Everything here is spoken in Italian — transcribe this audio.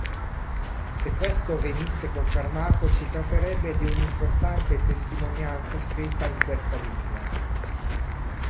Se questo venisse confermato si tratterebbe di un'importante testimonianza scritta in questa lingua.